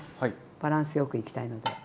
バランスよくいきたいので。